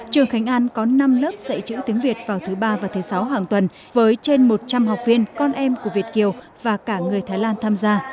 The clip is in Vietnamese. trường khánh an có năm lớp dạy chữ tiếng việt vào thứ ba và thứ sáu hàng tuần với trên một trăm linh học viên con em của việt kiều và cả người thái lan tham gia